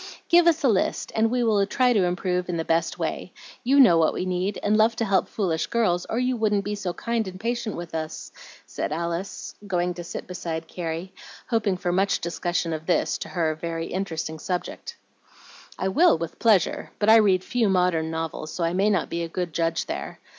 "Give us a list, and we will try to improve in the best way. You know what we need, and love to help foolish girls, or you wouldn't be so kind and patient with us," said Alice, going to sit beside Carrie, hoping for much discussion of this, to her, very interesting subject. "I will, with pleasure; but I read few modern novels, so I may not be a good judge there.